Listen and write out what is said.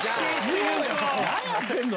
何やってんの？